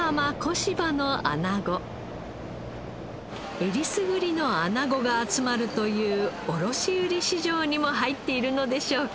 えりすぐりのアナゴが集まるという卸売市場にも入っているのでしょうか？